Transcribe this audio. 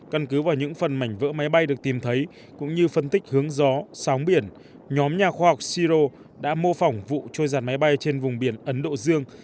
căn cứ vào những phần mảnh vỡ máy bay được tìm thấy cũng như phân tích hướng gió sóng biển nhóm nhà khoa học shiro đã mô phỏng vụ trôi giạt máy bay trên vùng biển ấn độ dương